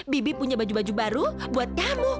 bibi punya baju baju baru buat kamu